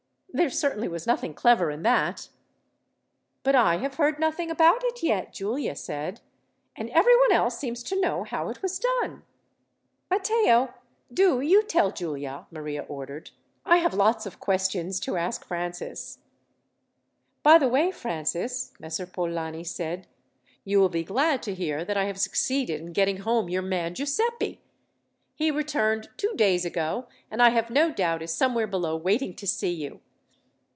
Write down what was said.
There certainly was nothing clever in that." "But I have heard nothing about it yet," Giulia said; "and everyone else seems to know how it was done." "Matteo, do you tell Giulia," Maria ordered. "I have lots of questions to ask Francis." "By the way, Francis," Messer Polani said, "you will be glad to hear that I have succeeded in getting home your man Giuseppi. He returned two days ago, and I have no doubt is somewhere below waiting to see you."